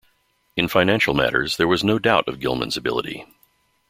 In financial matters, there was no doubt of Gilman's ability.